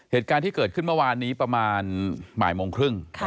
เหตุการณ์ที่เกิดขึ้นเมื่อวานนี้ประมาณบ่ายโมงครึ่ง